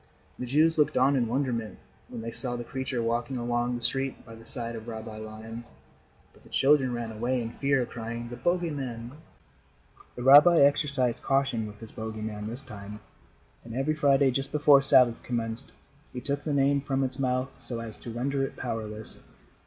The Jews looked on in wonderment when they saw the creature walking along the street by the side of Rabbi Lion, but the children ran away in fear, crying: "The bogey man." The rabbi exercised caution with his bogey man this time, and every Friday, just before Sabbath commenced, he took the name from its mouth so as to render it powerless.